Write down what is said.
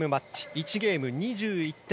１ゲーム２１点